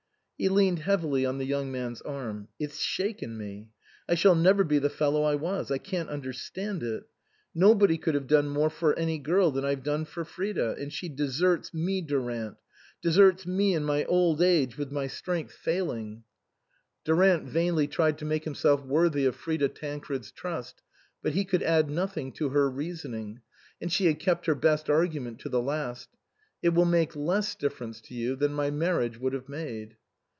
He leaned heavily on the young man's arm. " It's shaken me. I shall never be the fellow I was. I can't understand it. Nobody could have done more for any girl than I've done for Frida ; and she deserts me, Durant, deserts me in my old age with my strength failing." 134 INLAND Durant vainly tried to make himself worthy of Frida Tancred's trust, but he could add nothing to her reasoning, and she had kept her best argument to the last, " It will make less difference to you than my marriage would have made."